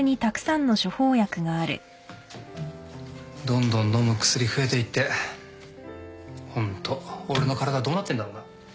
どんどんどんどん薬増えていってホント俺の体どうなってんだろうな。